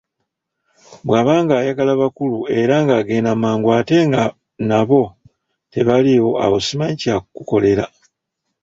Bwaba ng'ayagala bakulu era ng'agenda mangu ate nga nabo tebaliwo awo simanyi kyakukukolera.